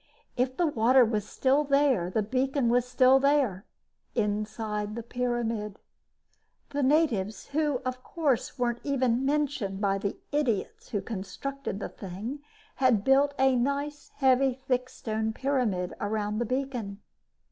If the water was still there, the beacon was still there inside the pyramid. The natives, who, of course, weren't even mentioned by the idiots who constructed the thing, had built a nice heavy, thick stone pyramid around the beacon.